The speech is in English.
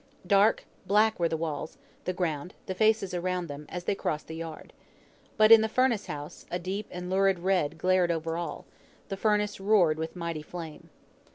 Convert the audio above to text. Dark, black were the walls, the ground, the faces around them, as they crossed the yard. But, in the furnace house a deep and lurid red glared over all; the furnace roared with mighty flame.